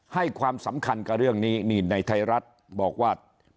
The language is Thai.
ให้ความสำคัญกับเรื่องนี้นี่ในไทยรัฐบอกว่า